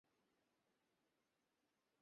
গাড়ি থেকে নামো।